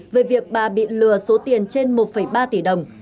về việc bà bị lừa số tiền trên một ba tỷ đồng